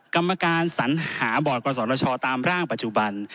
กรรมการสัญหาบอร์ดกศชตามร่างปัจจุบัน